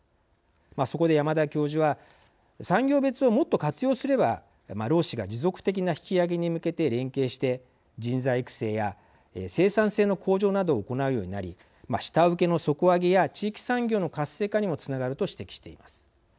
そこで山田教授は産業別をもっと活用すれば労使が持続的な引き上げに向けて連携して人材育成や生産性の向上などを行うようになり下請けの底上げや地域産業の活性化にもつながると指摘しています。